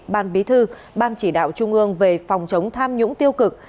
ban bí thư ban chỉ đạo trung ương về phòng chống tham nhũng tiêu cực